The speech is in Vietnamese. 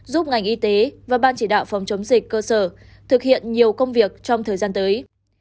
giúp ngành y tế và ban chỉ đạo phòng chống dịch cơ sở thực hiện nhiều công việc trong thời gian tới